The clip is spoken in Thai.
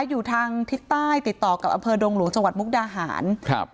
อยู่ทางทิศใต้ติดต่อกับอำเภอดงหลวงจังหวัดมุกดาหารครับ